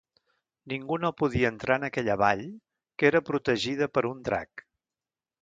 Ningú no podia entrar en aquella vall, que era protegida per un drac.